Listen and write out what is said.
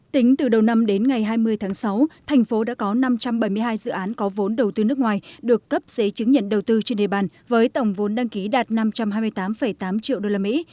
tính từ đầu năm đến ngày hai mươi tháng sáu thành phố đã có năm trăm bảy mươi hai dự án có vốn đầu tư nước ngoài được cấp giấy chứng nhận đầu tư trên địa bàn với tổng vốn đăng ký đạt năm trăm hai mươi tám tám triệu đô la mỹ